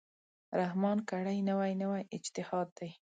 رحمان کړی، نوی نوی اجتهاد دی